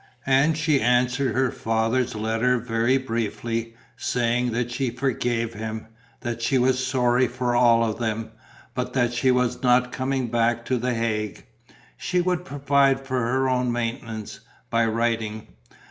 And she answered her father's letter very briefly, saying that she forgave him, that she was sorry for all of them, but that she was not coming back to the Hague. She would provide for her own maintenance, by writing.